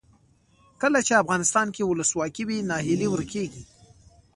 کله چې افغانستان کې ولسواکي وي ناهیلي ورکیږي.